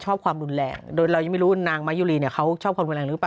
ความรุนแรงโดยเรายังไม่รู้ว่านางมายุรีเนี่ยเขาชอบคนรุนแรงหรือเปล่า